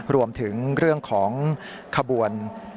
รวมถึงเรื่องของขบวน